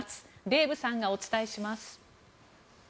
デーブさんがお伝えします。